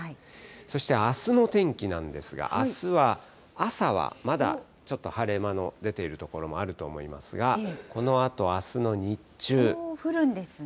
そしてあすの天気なんですが、あすは朝はまだちょっと晴れ間の出ている所もあると思いますが、降るんですね。